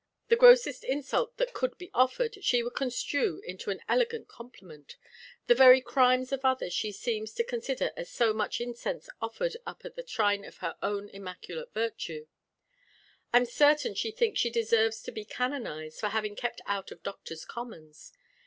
The grossest insult that could be offered she would construe into an elegant compliment; the very crimes of others she seems to consider as so much incense offered up at the shrine of her own immaculate virtue. I'm certain she thinks she deserves to be canonised for having kept out of Doctors' Commons.